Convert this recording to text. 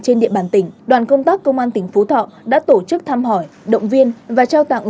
trên địa bàn tỉnh đoàn công tác công an tỉnh phú thọ đã tổ chức thăm hỏi động viên và trao tặng